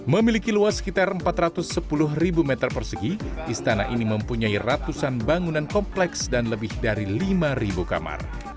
memiliki luas sekitar empat ratus sepuluh meter persegi istana ini mempunyai ratusan bangunan kompleks dan lebih dari lima kamar